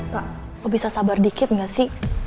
kak lo bisa sabar dikit gak sih